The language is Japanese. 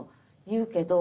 言うけど。